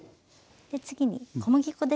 次に小麦粉ですね。